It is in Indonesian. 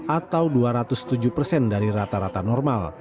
atau dua ratus tujuh persen dari rata rata normal